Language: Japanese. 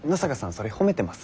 それ褒めてます？